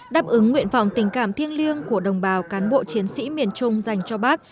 đáp ứng nguyện phòng tình cảm thiêng liêng của đồng bào cán bộ chiến sĩ miền trung dành cho bác